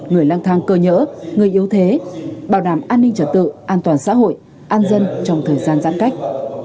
người lang thang cơ nhỡ người yếu thế bảo đảm an ninh trật tự an toàn xã hội an dân trong thời gian giãn cách